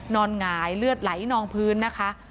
หงายเลือดไหลนองพื้นนะคะ